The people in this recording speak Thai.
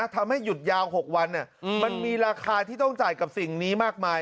ทำให้หยุดยาว๖วันมันมีราคาที่ต้องจ่ายกับสิ่งนี้มากมาย